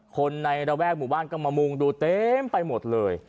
คนในระแวกหมู่บ้านก็มามุงดูเต็มไปหมดเลย